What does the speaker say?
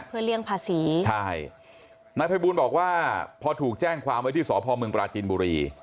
เพื่อเลี่ยงภาษีใช่นายภัยบูลบอกว่าพอถูกแจ้งความไว้ที่สพเมืองปราจีนบุรี